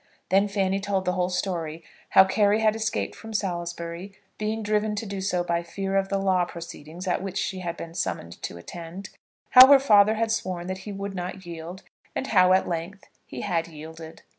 Then Fanny told the whole story, how Carry had escaped from Salisbury, being driven to do so by fear of the law proceedings at which she had been summoned to attend, how her father had sworn that he would not yield, and how at length he had yielded.